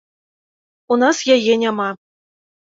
У нас яе няма.